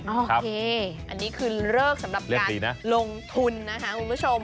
โอเคอันนี้คือเลิกสำหรับการลงทุนนะคะคุณผู้ชม